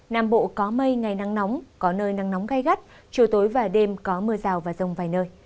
nam bộ có mây ngày nắng nóng có nơi nắng nóng gai gắt chiều tối và đêm có mưa rào và rông vài nơi